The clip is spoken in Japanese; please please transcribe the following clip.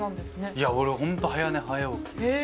いや俺本当早寝早起きですね。